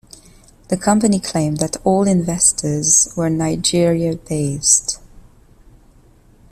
The company claimed that all investors were Nigeria-based.